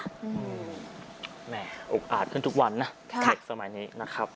แหม่อุกอาจขึ้นทุกวันนะเด็กสมัยนี้นะครับ